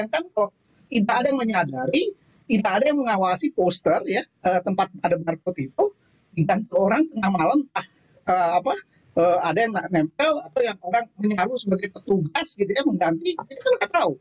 kita scan masuk mall